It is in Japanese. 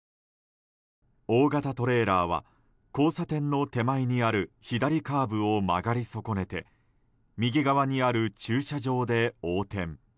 大型トレーラーは交差点の手前にある左カーブを曲がり損ねて右側にある駐車場で横転。